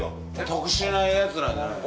特殊なやつなんじゃないの？